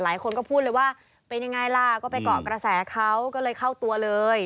หลายคนก็พูดเลยว่าเป็นยังไงล่ะก็ไปเกาะกระแสเขาก็เลยเข้าตัวเลย